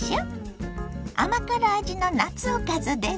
甘辛味の夏おかずです。